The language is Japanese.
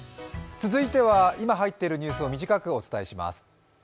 続いては今入っているニュースを短くお伝えします。